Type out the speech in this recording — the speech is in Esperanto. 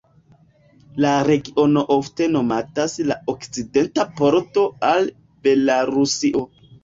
La regiono ofte nomatas la "okcidenta pordo" al Belarusio.